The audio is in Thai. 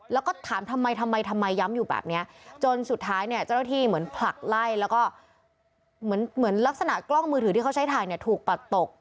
แล้วก็ถามทำไมทำไมย้ำอยู่แบบเนี้ยจนสุดท้ายเนี่ยเจ้าหน้าที่เหมือนผลักไล่แล้วก็เหมือนลักษณะกล้องมือถือที่เขาใช้ถ่ายเนี่ยถูกปัดตก